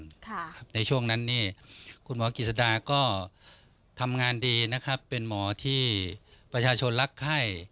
ค่ะในช่วงนั้นนี่คุณหมอกิจสดาก็ทำงานดีนะครับเป็นหมอที่ประชาชนรักไข้